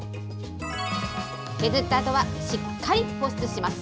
削ったあとは、しっかり保湿します。